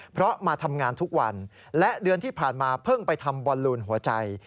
เพราะมาทำงานทุกวันและเดือนที่ผ่านมาเพิ่งไปทำบอลลูนหัวใจ